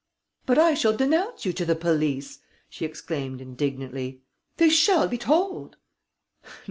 "But I shall denounce you to the police," she exclaimed, indignantly. "They shall be told!"